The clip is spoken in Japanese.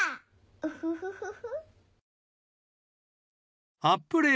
ウフフフフ。